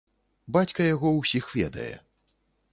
Бацька яго ўсіх ведае.